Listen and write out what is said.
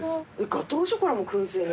ガトーショコラも燻製に？